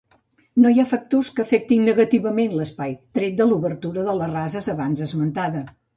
No hi ha factors que afectin negativament l'espai, tret de l'obertura de rases abans esmentada.